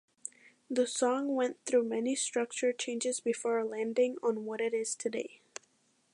The song went through many structure changes before landing on what it is today.